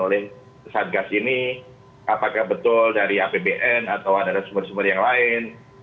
oleh saat kasus ini apakah betul dari apbn atau ada resumen resumen yang lain